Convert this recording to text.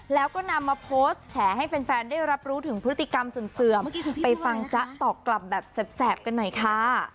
แล้วก็นำมาโพสต์แฉให้แฟนได้รับรู้ถึงพฤติกรรมเสื่อมไปฟังจ๊ะตอบกลับแบบแสบกันหน่อยค่ะ